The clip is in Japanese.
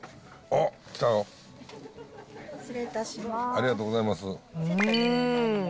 ありがとうございます。